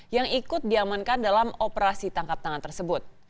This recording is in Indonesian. yang ikut diamankan dalam operasi tangkap tangan tersebut